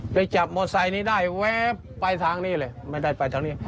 ไปจับมอไซค์นี้ได้แว๊บไปทางนี้เลยไม่ได้ไปทางนี้